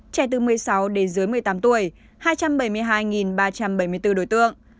trẻ từ một mươi sáu đến dưới một mươi tám tuổi hai trăm bảy mươi hai ba trăm bảy mươi bốn đối tượng